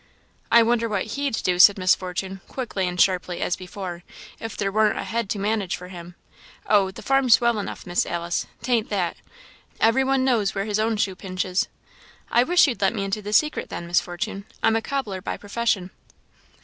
"I wonder what he'd do," said Miss Fortune, quickly and sharply, as before, "if there warn't a head to manage for him! Oh, the farm's well enough, Miss Alice tain't that; every one knows where his own shoe pinches." "I wish you'd let me into the secret, then, Miss Fortune; I'm a cobbler by profession."